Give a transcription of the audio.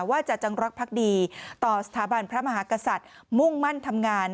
ว่าจะจงรักพักดีต่อสถาบันพระมหากษัตริย์มุ่งมั่นทำงาน